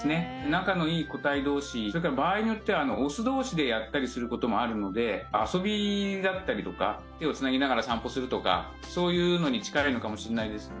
仲のいい個体同士それから場合によってはオス同士でやったりすることもあるので遊びだったりとか手をつなぎながら散歩するとかそういうのに近いのかもしれないです